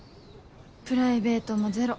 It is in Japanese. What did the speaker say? プライベートもゼロ。